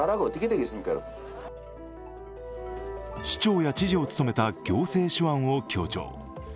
市長や知事を務めた行政手腕を強調。